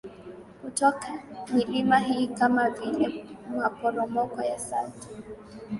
kutoka milima hii kama vile maporomoko ya Salto